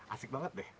asik banget deh